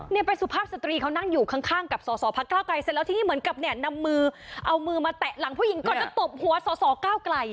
ไปสุภาพสตรีเขานั่งอยู่ข้างกับสอสอพักเก้าไกลเสร็จแล้วทีนี้เหมือนกับเนี่ยนำมือเอามือมาแตะหลังผู้หญิงก่อนจะตบหัวสอสอก้าวไกล